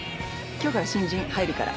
今日から新人入るから。